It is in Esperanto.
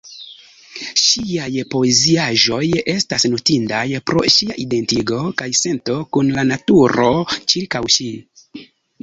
Ŝiaj poeziaĵoj estas notindaj pro ŝia identigo kaj sento kun la naturo ĉirkaŭ ŝi.